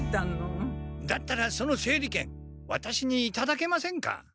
だったらその整理券ワタシにいただけませんか？